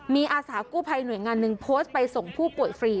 มีอาสากู้ภัยหน่วยงานหนึ่งโพสต์ไปส่งผู้ป่วยฟรี